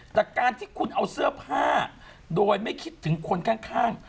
แต่การที่คุณเอาเสื้อผ้าโดยไม่คิดถึงคนข้าง